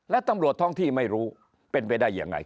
และตำรวจท้องที่ไม่รู้เป็นไปได้ยังไง